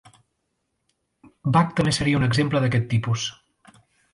Bach també seria un exemple d'aquest tipus.